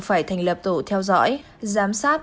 phải thành lập tổ theo dõi giám sát